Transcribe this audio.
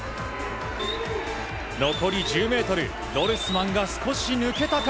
残り１０ｍ、ドルスマンが少し抜けたか。